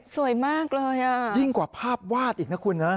สวยมากเลยยิ่งกว่าภาพวาดอีกนะคุณนะ